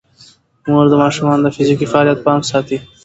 مور د ماشومانو د فزیکي فعالیت پام ساتي.